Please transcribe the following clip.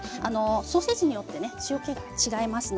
ソーセージによって塩けが違います。